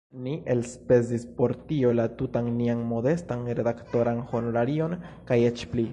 Ni elspezis por tio la tutan nian modestan redaktoran honorarion kaj eĉ pli.